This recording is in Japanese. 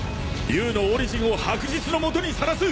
竜のオリジンを白日の下にさらす！